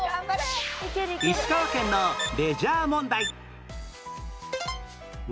石川県のレジャー問題